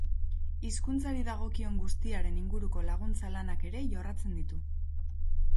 Hizkuntzari dagokion guztiaren inguruko laguntza lanak ere jorratzen ditu.